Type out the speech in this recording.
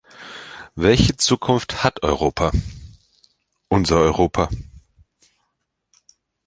Welche Zukunft hat Europa, unser Europa?